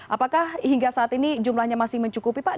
apakah hingga saat ini jumlahnya masih mencukupi pak